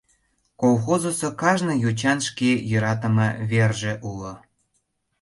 Колхозысо кажне йочан шке йӧратыме верже уло.